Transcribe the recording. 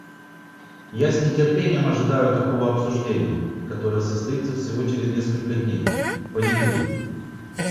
Я с нетерпением ожидаю такого обсуждения, которое состоится всего через несколько дней, в понедельник.